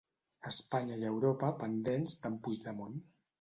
Espanya i Europa pendents d'en Puigdemont